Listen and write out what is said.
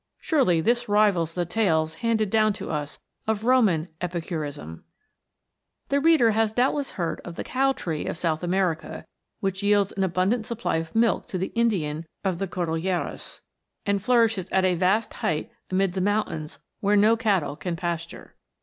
Surely this rivals the tales handed down to us of Roman epicurism !" The reader has doubtless heard of the cow tree of South America, which yields an abundant supply of milk to the Indian of the Cordilleras, and flourishes at a vast height amid arid mountains where no cattle can pasture.